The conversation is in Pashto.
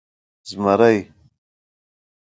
🦬 زمری